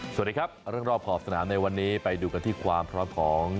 สวัสดีครับเรื่องรอบขอบสนามในวันนี้ไปดูกันที่ความพร้อมของ